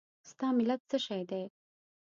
ستا ملت څه شی دی؟